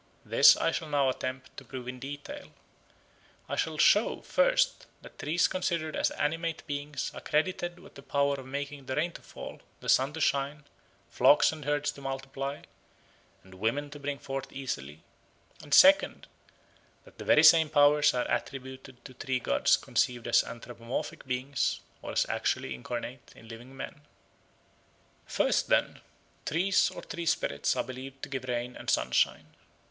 This I shall now attempt to prove in detail. I shall show, first, that trees considered as animate beings are credited with the power of making the rain to fall, the sun to shine, flocks and herds to multiply, and women to bring forth easily; and, second, that the very same powers are attributed to tree gods conceived as anthropomorphic beings or as actually incarnate in living men. First, then, trees or tree spirits are believed to give rain and sunshine.